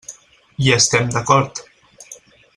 Hi estem d'acord.